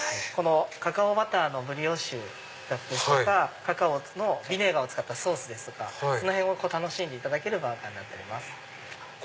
カカオバターのブリオッシュだったりとかカカオのビネガーを使ったソースですとかそのへんを楽しんでいただけるバーガーになっております。